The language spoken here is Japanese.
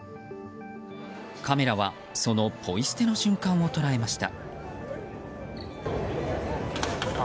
カメラはそのポイ捨ての瞬間を捉えました。